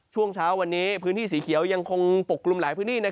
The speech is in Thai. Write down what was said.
ช่วงเช้าวันนี้พื้นที่สีเขียวยังคงปกกลุ่มหลายพื้นที่